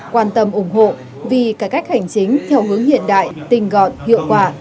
quan tâm ủng hộ vì cái cách hành chính theo hướng hiện đại tình gọn hiệu quả